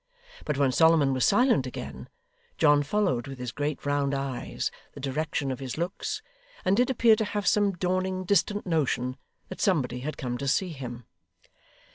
But when Solomon was silent again, John followed with his great round eyes the direction of his looks, and did appear to have some dawning distant notion that somebody had come to see him.